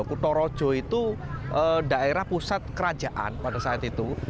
kutorojo itu daerah pusat kerajaan pada saat itu